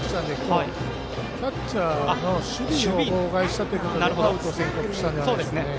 キャッチャーの守備を妨害したということでアウトを宣告したんじゃないですかね。